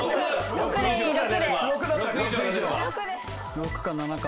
・６か７か。